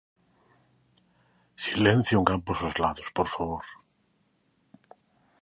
Silencio en ambos os lados, por favor.